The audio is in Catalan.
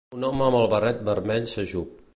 Un home amb barret vermell s'ajup.